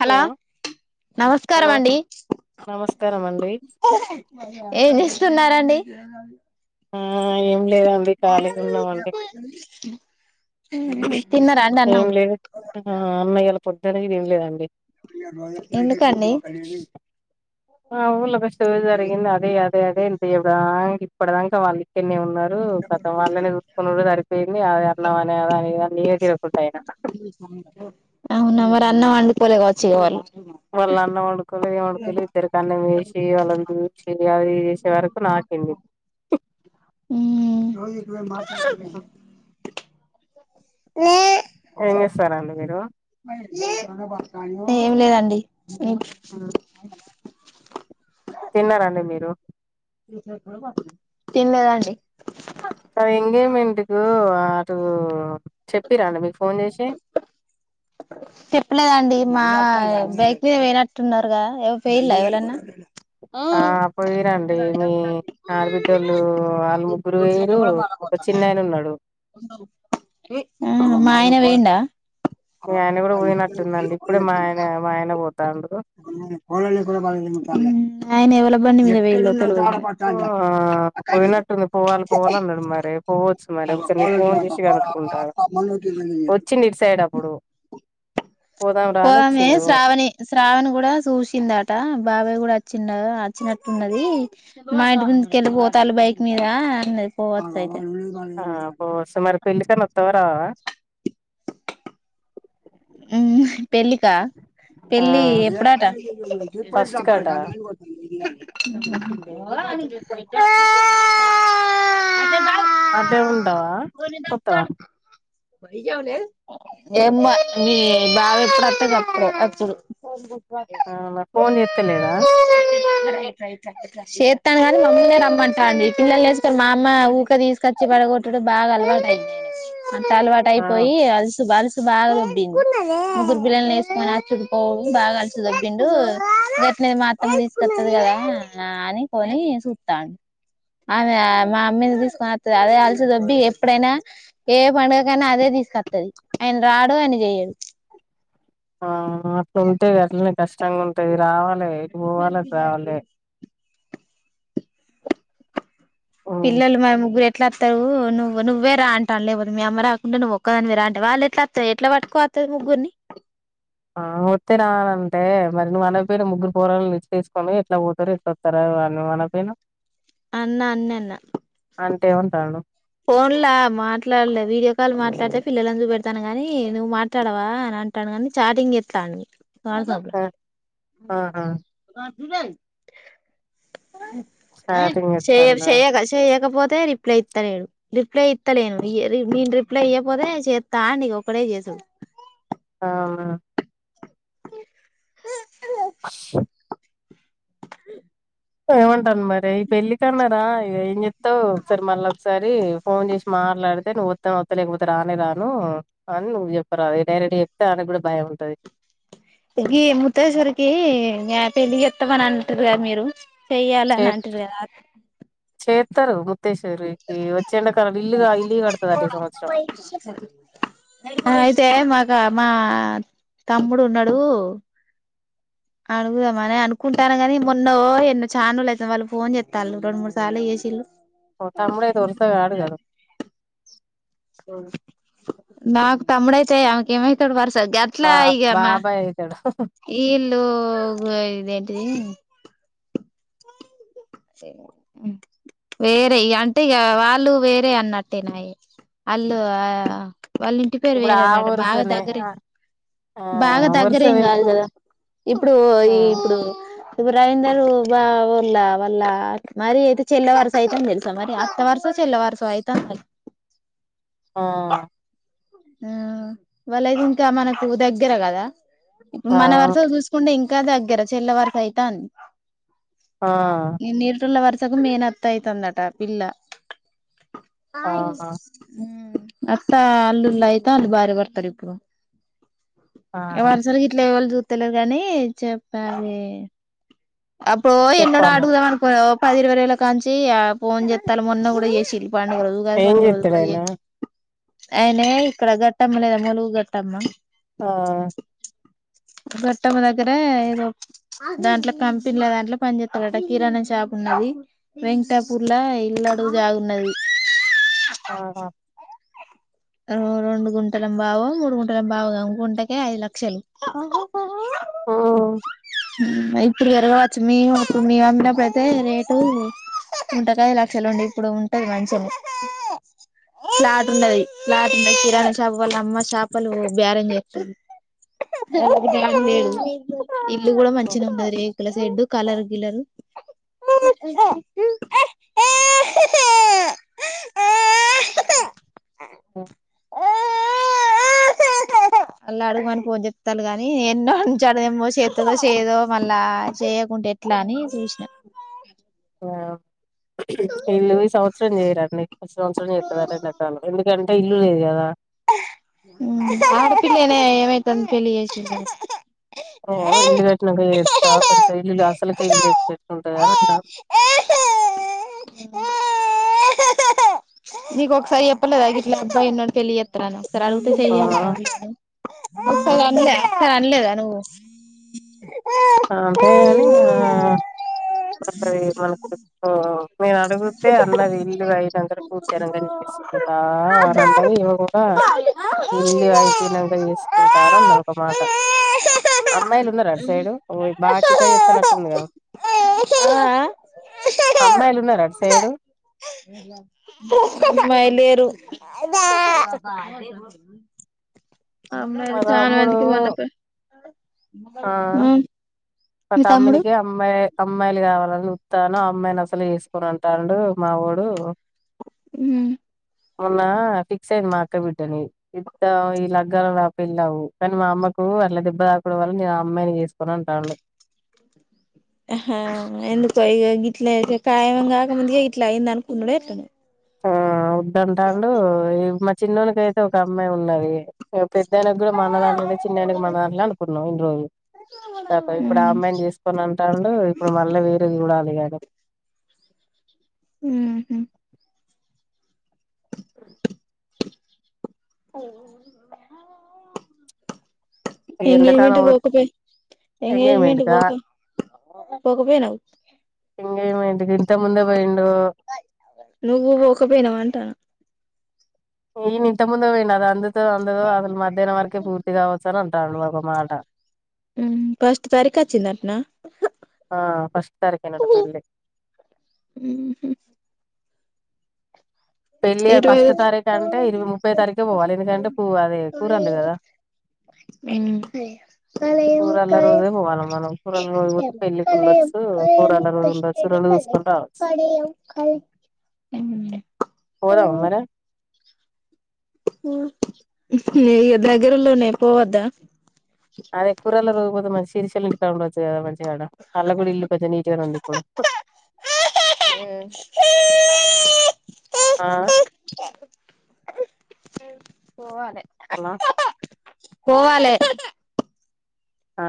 Hello నమస్కారం hello అండి నమస్కారం అండి ఏం చేస్తున్నారండి ఆ ఏం లేదండి ఖాళీ ఉన్నామండి తిన్నారండి అన్నాం పొద్దు అది ఏం లేదండి ఎందుకండి ఆ సదరిగింది అదే అదే అదే ఎప్పుడు ఇప్పుడుా వాళ్ళు ఇక్కడి ఉన్నరు కొత్త వాళ్ళనే చూసుకున్నా దరి న్న అ ఎ అన్నవనే అదాద [inaudible] అవునుమ అన్న మాడి పలేగా వచ్చ వాళ వల్ళ అన్న ఉడు కులిది ఉం కులితరు కన్నమి ి వల ద చి అది చేసే వరకు నాకం మా న ఏం చేస్తారంండి మీరు ఏం లేదండి ఓ తిన్నారంండి మీరు తినలేదండి సర ఎంగేజ్మెంట్కు అటు చెప్పిరా అండి మీకు ఫోన్ చేసి చెప్పలేదండి మా బైక్ మీద వేయినట్టున్నారుగా ఎవ వేయలా ఎవరన్నా ఆ పోయరాండి మీ ఆడబిడ్డోళ్ళు వాళ్ళు ముగ్గురు వేయరు ఒక చిన్నయన ఉన్నాడు ఆ మాయన వేడా మీ ఆ ఆయన కూడా అ పోయినట్టుందండి ఇప్పుడే మా ఆయన మా ఆయన పోతాండు కోళ కూడా బంది ము ఆయన ఎవ్వలబ్్వండి మీరు వెయ్యి లోపల ఆ పోయినట్టుంది పోవాలి పోవాల అన్నాడు మరి పోవచ్చు మరి ఒకసారి నను ఫోన్ చేసి కనుక్కుంటాను వచ్చి సైడ్ అప్పుడు పోదాం రా అని పోవామే వచ్చిండు శ్రావణి శ్రావణ్ కూడా చూసింది అట బాబాయ్ కూడా వచ్చిన్నారుడు వచ్చినట్టున్నది మా ఇంటి ముందుకెళ్ళిపోతారు బైక్ మీద అన్నది పోవచ్చ అయితే బ కాాల కాాల పెళ్ళికనత్తవరా పెళ్ళిక ఆ పెళ్ళి ఎప్పుడట ఫస్ట్ కాట ని అంటే ఉ ఉందవా పత వరిజవులే ఎమ్ మీ బా ఎప్పుడు అతంది అప్పుడు అప్పుడు ఆ నా ఫోన్ చెత్తలేద చేతాను కానీ మమ్మీనే రమ్మంటా అండి పిల్లలు వేసుకని మా అమ్మ ఊక తీసుకొచ్చి పడగొట్టడు బాగా అలవాట అంటంత అలవాటు ఆ అయిపోయి అ శు బాలు ఇ బా మురు బిల్లని వేసుకొని చుపో బాగా అలసిదబ్బిండు గట్ది మాత్రం తీసుకొస్తది కదా అని కొని చూస్తాడు ఆమె మా అమ్మీని తీసుకొని వస్తుంది అదే అలసిదబ్బి ఎప్పుడైనా ఏ పండుగకైనా అదే తీసుకొస్తది ఆయన రాడు అని జయంల్ ఆ అట్లా ఉంటే అట్లనే కష్టంగా ఉంటుది రావాల ఎయికి పోవాలి చ రావాలి పిలలు మ ముగగుర ఎట్లా వస్తావు నువ్వు నువ్వే రా అంటాను లేపోదు మ అమ్మ రాకుండా నువ్వు ఒక్కదాని మీ రా అంటవు వాళ్ళు ఎట్లా వస్త ఎట్లా పట్టుకోస్తది ముగ్గురిని ఆ వత్ే రా అన అంటే మరి నువ్వు అన పన ముగ్గురు పోరాలని నిలిచ్చి తీసుకని ఎట్లా పోతారు ఎట్లా వస్తారా అని మన పయిన అన్నా అన్న అన్న అంటే ఏమంటాడు ఫోన్లా మాట్లాడలే వీడియో కాల్ మాట్లాడితే పిల్లలందు పెడతాను గాని నువ్వు మాట్లాడవా అని అంటాను కానీ చాటింగ్ చెస్తాని కా సాభ బ ఆహా ఆ చాటింగ్ శెయ్యదు చేస్తాండా షశేగా శేయ్యాకపోతే తే రిప్లై ఇత్తలేడు రిప్లై ఇత్తలేను ఇయే నేను రిప్లై ఇయ్యకపోతే చెత్తాండు ఇగ ఒకడే చేసుడు ఆ ఆ స్ ఆ [inaudible] మరి ఈ పెళ్లి కన్నా రా ఇగ ఏంచెత్తవ్ ఒకసారి మళ్ళ ఒకసారి ఫోన్ చేసి మాట్లాడితే నువ్వు వత్తే వత్త లేకపోతే రానె రాను అని నువ్వు చెప్పరాదు డైరెక్ట్ చెప్తే ఆమెకి కూడా భయం ఉంటది పెరిగి ముతేశ్వరికి మ్యా పెళ్లి చెత్తమని అంటుర్రు కద మీరు [inaudible] చేయ్యాలని అంటిరి కదా ఇస్తారు ముత్తేశ్వరికి వచ్చె ఎండాకాలం ఇల్లు గా ఇల్లు కడతదట ఈ సంవత్సరం ఆ అయితే మాక్ ఇకా మా తమ్ముడు ఉన్నాడు అడుగుదామని అనుకుంటాన గాని మొన్నో ఎన్నో చానురోజులు ఐతుంది వాళ్ళు ఫోన్ చెస్తాళ్ళు రెండు మూడు సార్లు చేసిళ్ళు ఓ తమ్ముడయితే వరుస గాడు గద ఆ నాకు తమ్ముడు అయితే ఆమెకు ఏమైతడు వరసకు స గట్లా బా ఈగమ్మా బాబాయ్ అయితాడు ఇల్లు ఇద ఏంటి వేరే అంటే ఇక వాళ్ళు వేరే అన్నట్టేనాయి ఆళ్ళు ఆ వాళ్ళు ఇంటి పేరు ఇప్పుడు ఆ వేరేన్నట బాగా వరుసనే దగ్గరే ఆ బాగా దగ్గరేం వరుసవే కాదు కదా ఇప్పుడు ఆ ఈ ఇప్పుడు ఇ రవీందర్ బావోల్లా వల్ల మరి అయితే చెల్లె వరస అయితుందని తెలుసా మరి అత్త వరుస చెల్ల వేర్సో అయితాంది మరి ఆ ఆ వాళ్ళ ఇది ఇంకా మనకు దగ్గర కదా ఇప్పుడు ఆ మన వర్సలు చూసుకుంటే ఇంక్ ఇంకా దగ్గర చెల్ల వరస అయితాంది ఆ ఎని నేటల వరస [unintelligible] తనకు మేనత్త అయితాందిఅట పిల్ల ఆయి అవునా ఉమ్ అత్తా అలు లైతాండ్రు భార్య భర్తలు ఇప్పుడు ఆ వరసలు గట్ల ఎవలు చూస్ తులు గాని చెప్పాలి అప్పుడో చెప్పు ఎన్నడో అన్న ఆడుగుదామనుకూన పది ఇరవై రేళ్ల కాంచి ఆ ఫోన్ చెత్తాలు మొన్న కూడా చేసిళ్ళు పండుగ రోజు ఉగాది ఏం పండుగ రోజు చెత్తడు కూడా ఆయన చేసిళ్ళు అయనే ఇక్కడ గట్టమ్మ లేదా ములుగు గట్టమ్మ ఆ గట్టవ్వ దగ్గర ఏదో దాంట్ల కంపెన్లా దాంట్ల పనిచత్తడట కిరాణా షాపు ఉన్నది. వెంకటాపూర్లా ఇల్లాడు జాగు ఉన్నది. ఆహా ఓ రెండు గుంటల బావో మూడు గుంటల బావో గుంటకే ఐదు లక్షలు హొ ఉమ్ ఇప్పుడు పెరగవచ్చు మేం మేము అమ్మినాప్పుడు ఐతే రేటు గుంటకు ఐదు లక్షలు ఉండే ఇప్పుడు ఉంటది. మంచిగానే ఫ్లాట్ ఉన్నది. ప్లాట్ కిరాణ షాప్ వాళ్ళ అమ్మ చేపలు బేరం చేత్తది [unintelligible] ఇల్లు కూడా మంచిగా ఉన్నది అల్ల షెడ్డు కాలరు గిలరు ఆ అళ్ళు అడగుమని ఫోన్ చెత్తళ్ళు. గానీ ఎన్నోంచి అడుగ్ ఎమ్మొ చేత్తదో చేయదో మళ్ళా చేయకుంటే ఎట్లా అని సుసిన ఆ ఇల్లు ఈ సంవత్సరం చేయరంటనే వచ్చే సంవత్సరం చేస్తాడట. ఎండాకాలం ఎందుకంటే ఇల్లు లేదు కదా హు ఆడపిల్లనే ఏమైతుంది పెళ్ళి చేసి ఏళ్లకొట్టు ఓ ఇల్లు కట్టినంక చేత్త కొంచెం ఇల్లు అసలు [unintelligible] నీ ఒకసారి చెప్పలేదా ఇట్లా అబ్బాయి ఉన్నాడు పెళ్ళి చెత్తరని సరే ఆ [unintelligible] ఆన్ లేద నువ్వు అంతేగాని ఆ [unintelligible] మనకు ఎక్కువ నేను అడుగుతే అన్నాది ఇల్లు అయినంకనే పూర్తయినంకనే చేసుకుంటా అని అన్నాది. ఏమ కూడా ఇల్లు అయిపోయినాక చేసుకుంటా అన్నది. ఒక మాట అమ్మాయిలు ఉన్నారా అటు సైడు ఓయ్ బాగా చికాకు చేత్తనట్టుంది గా ఆ అమ్మాయిలు ఉన్నార అటూ సైడు అమ్మాయిలు లేరు అదా మా అమ్మాయిలు చన తమ్ముడు మందికి మొన్న పేల్ మ తమ్మునికే అమ్మాయి అమ్మాయిలు కావాలని చుత్తన్న అమ్మాయిని అసలే చేసుకొనుఅంటండు మావోడు ఉమ్ మొన్న ఫిక్స్ అయింది. మా అక్క బిడ్డని ఇద్దం ఈ లగ్గాల ఆ పెళ్ళవ్వు కానీ మా అమ్మకు అట్లా దెబ్బ తాకడు వల్ల న అమ్మాయిని చేసుకొను అంటండు. ఆహా ఎందుకో ఇగా గీట్ల కాయం కాకముందుగా ఇట్లా అయింద అనుకున్నాడు ఏట్లనో ఆ వద్దంటాండు. ఈ మా చిన్నోకయితే ఒక అమ్మాయి ఉన్నది. పెద్దాయానికి కూడా మన దాంట్లనే చిన్నయానకి మన దాంట్ల నే అనుకున్నాం. ఇన్ని రోజులు ఇప్పుడు ఆ అమ్మాయిని చేసుకోను అంటండు ఇప్పుడు మళ్ళ వేరే చూడాలి ఇగ హు హ్ [inaudible] అఓ [unintelligible] ఈ ఎంగేజ్మెంట్ ఎండాకాలం కి పోకుపోయి ఎంగేజ్మెంట్ కి పోక పోక పోయినావు ఇంతక ముందే బోయిండు నువ్వు పోకపోయినావ్ అంటాన్న నేనింతక ముందు పోయిన అది అందదు తదో అందదో అసలు మధ్యాహ్న వరకే పూర్తి కావచ్చు అని అంటాడు ఒక మాట. ఫస్ట్ తారీఖు వచ్చిందటనా ఆ ఫస్ట్ తారీకునే అట పెళ్ళి, పెళ్ళి ఇరవై ఫస్ట్ తారీఖు అంటే ఇరవై ముప్పై తారీఖే పోవాలి ఎందుకంటే, పో అదే కురాళ్ళు కదా. కలయం కూరళ్ల కలయం రోజే పోవాల మనం కూరళ్ల రోజు పోతే పెళ్ళికి కలయం ఉండొచ్చు, కలయం కూరళ్ళ రోజు ఉండొచ్చు, కష్టడి రెండు కలయం చూసుకొని రావచ్చు. కలయం కలయం పోదామా మరి ఏ ఇగ దగ్గరలోనే పోవద్దా అదే కురాళ్ల రోజుపోతే మంచి శిరిశోళ్ల ఇంటికాడ ఉండొచ్చు కదా మంచిగా ఉంది కదా అల్ల కూడా ఇల్లు కొద్దగా నీట్గానే ఉంది ఇప్పుడు ఆ పోవాలే హాలో పోవాలె ఆ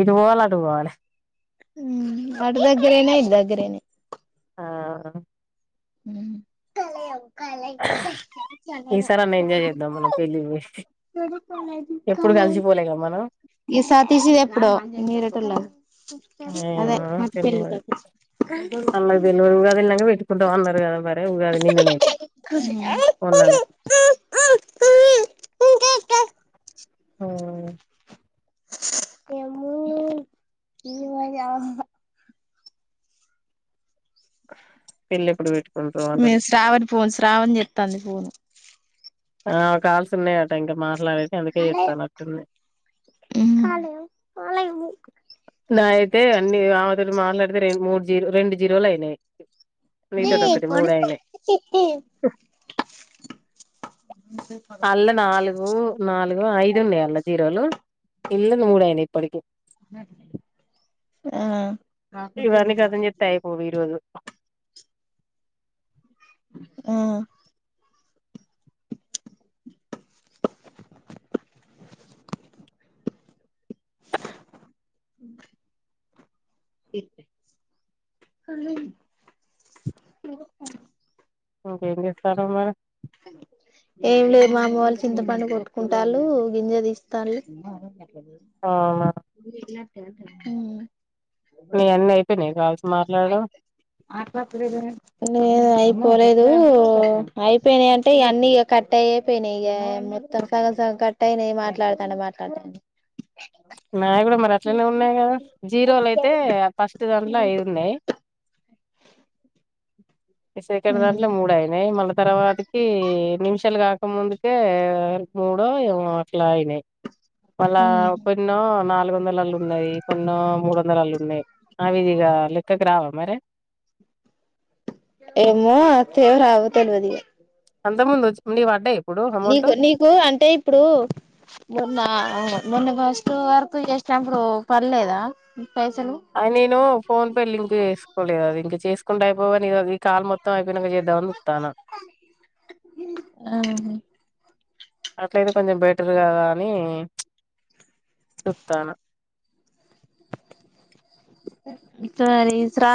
ఇటు పోవాలే అటు పోవాలె ఉమ్మ్ అటు దగ్గరేనే దగ్గరేనే ఆహా ఈసారి అన్న ఎంజాయ్ చేద్దాం మనం పెళ్ళికి పోయి ఎప్పుడు కలిసిపోలేగా మనం ఈ సాతీష్ ది ఎప్పుడో నిరేటోల్ల అదేమో తేల్వది సతీష్ అల్లు [inaudible] వెట్కు తో అన్నారు గద మరి ఉగాది నిన్ననే ఉండే ఉన్ననే అవును ఏమ ఇవ పెళ్లెప్పుడు పెట్ మీ శ్రావణి పోసు రావని చెతాంది ఫోను ఆ కాల్స్ ఉన్నాయట ఇంకా మాట్లాడే ఉమ్ నా అయితే అన్ని ఆమెతో మాట్లాడితే రెండు మూడు జీరో రెండు జీరోలు అయినాయి ఆ నీతోటి ఒకటి మూడయినాయీ, అల్ల నాలుగు నాలుగో ఐదు ఉన్నాయి అల్ల జీరోలు, ఇళ్ళ మూడుయినాయి ఇప్పటికి ఆ ఇవన్నీ ఖతం చేస్తే అయిపోవు ఈరోజు ఆ అ ఇకేం చేస్తున్నావ్ మరి ఏం లేదు మా అమ్మ వాళ్ళు చింతపండు కొట్టుకుంటారు గింజ తీస్తాళు అవునా నిజం నీయి అన్ని అయిపోయినాయి కాల్స్ మాట్లాడడం లా కొలేదు ఆయి పోయినాయి అంటే ఇ అన్నీ ఇ కట్ట అయ పోయినాయి ఇక మొత్తం సగం సం కట్ట అయిన మాట్లాడతాడి మాట్లాడత నా కూడా మరి అట్లనే ఉన్నాయి కదా జీరోలు అయితే ఫస్ట్ దాంట్లో అవి ఉన్నాయి ఇక్కడి దాంట్లో మూడయినాయి మళ్ళీ తర్వాతకి నిమిషాలు కాక ఇ ముందుకే మూడో ఏమో అట్లా అయినాయి మళ్ళా కొన్నో నాలుగు వందల అలుు ఉన్నాయి కొన్నో మూడు వందల అలుు ఉన్నాయి ఆవిదిగా లెక్కకు రావాలి అ మరె ఏమో తవ రావ తెలివది అంత ముందు నీవా అడ్డే నీకు నీకు అంటే ఇప్పుడు మొన్నవు మన్న ఫస్ట్ వర్క్ చేసప్పుడు పర్లేదా అ నేను ఫోన్ పే లింక్ వేసుకోలేదు అది ఇంక చేసుకుండా అయిపోవని ఈ కాల్ మొత్తం నిదానం గా చేద్దాం ఆహా అట్లయితే కొంచెం బెటర్ కదా అని చెప్తాను ఇప్పు శ్రా